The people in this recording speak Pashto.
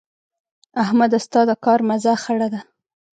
احمده؛ ستا د کار مزه خړه ده.